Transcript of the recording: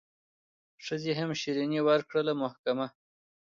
ښځي هم شیریني ورکړله محکمه